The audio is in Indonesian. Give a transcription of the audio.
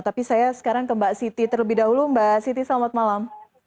tapi saya sekarang ke mbak siti terlebih dahulu mbak siti selamat malam